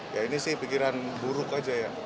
ya ini sih pikiran buruk aja ya